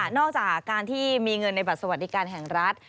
จากการที่มีเงินในบัตรสวัสดิการแห่งรัฐ